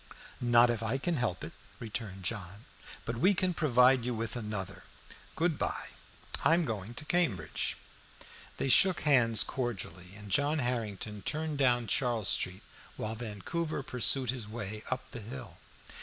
"Not if I can help it," returned John. "But we can provide you with another. Good by. I am going to Cambridge." They shook hands cordially, and John Harrington turned down Charles Street, while Vancouver pursued his way up the hill.